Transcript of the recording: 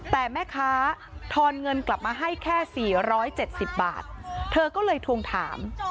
แต่แม่ค้าทอนเงินกลับมาให้แค่๔๗๐บาทเธอก็เลยทวงถาม